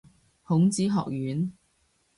孔子學院